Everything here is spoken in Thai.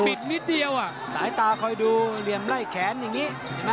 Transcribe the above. นิดเดียวสายตาคอยดูเหลี่ยมไล่แขนอย่างนี้